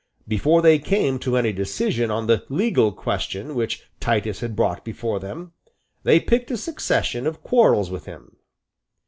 Before they came to any decision on the legal question which Titus had brought before them, they picked a succession of quarrels with him.